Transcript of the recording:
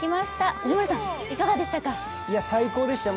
藤森さん、いかがでしたか？